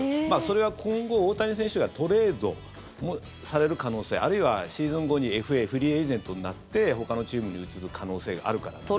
それは今後、大谷選手がトレードされる可能性あるいはシーズン後に、ＦＡ・フリーエージェントになってほかのチームに移る可能性があるからということで。